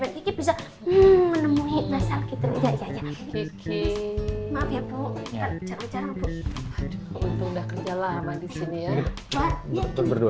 kiki bisa hmm menemui masa gitu